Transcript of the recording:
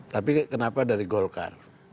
tapi kenapa dari gokar